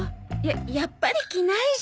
やっぱり着ないし。